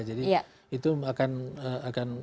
jadi itu akan